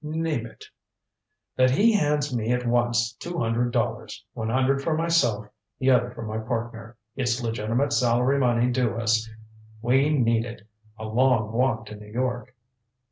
"Name it." "That he hands me at once two hundred dollars one hundred for myself, the other for my partner. It's legitimate salary money due us we need it. A long walk to New York."